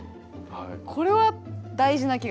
これは大事な気がします。